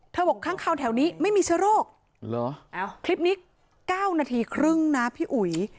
เธอบอกคังขาวแถวนี้ไม่มีเชื้อโรคเหรอเอ้าคลิปนี้เก้านาทีครึ่งน่ะพี่อุ๋ย